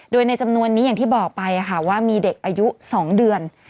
โดยในจำนวนนี้อย่างที่บอกไปว่ามีเด็กอายุ๒เดือน